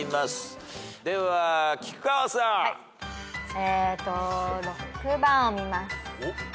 えーと６番を見ます。